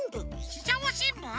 ししゃもしんぶん？